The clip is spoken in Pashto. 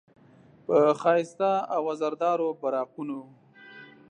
په ښایسته او وزردارو براقونو،